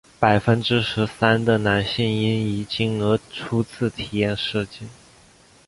百分之十三的男性因遗精而初次体验射精。